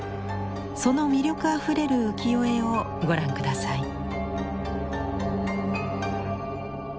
その魅力あふれる浮世絵をご覧下さい。